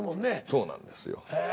そうなんですよ。